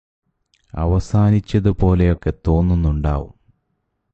അവസാനിച്ചത് പോലെയൊക്കെ തോന്നുന്നുണ്ടാവും